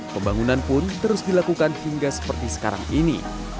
pembangunan pun terus dilakukan hingga seperti sekarang ini